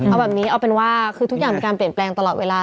เอาแบบนี้เอาเป็นว่าคือทุกอย่างมีการเปลี่ยนแปลงตลอดเวลา